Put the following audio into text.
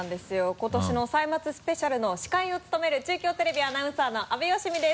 今年の歳末スペシャルの司会を務める中京テレビアナウンサーの阿部芳美です。